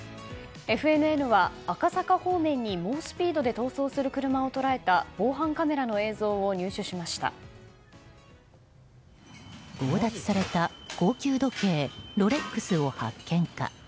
ＦＮＮは赤坂方面に猛スピードで逃走する車を捉えた強奪された高級時計ロレックスを発見か。